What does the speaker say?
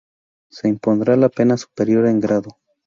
Se impondrá la pena superior en grado.